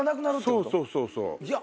そうそうそうそう。